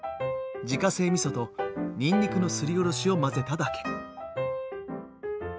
自家製みそとにんにくのすりおろしを混ぜただけ。